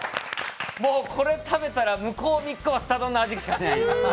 もうこれ食べたら向こう三日はすた丼の味しかしない。